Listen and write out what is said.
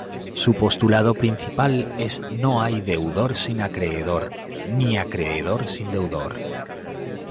Su postulado principal es ""No hay deudor sin acreedor, ni acreedor sin deudor"".